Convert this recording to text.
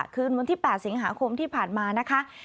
คืนวันที่๘สิงหาคมที่ผ่านมานะคะ